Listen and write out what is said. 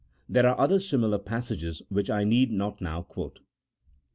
There are other similar passages which I need not now quote.